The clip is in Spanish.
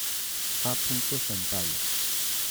A. Sampaio.